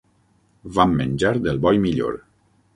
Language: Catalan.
Vam menjar del bo i millor.